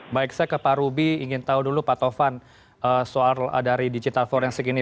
baik saya ke pak ruby ingin tahu dulu pak tovan soal dari digital forensik ini